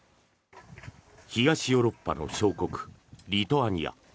東ヨーロッパの小国リトアニア。